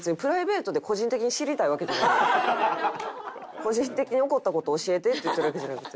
個人的に怒った事教えてって言ってるわけじゃなくて。